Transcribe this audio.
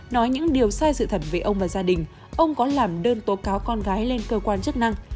nói những điều sai sự thật về ông và gia đình ông có làm đơn tố cáo con gái lên cơ quan chức năng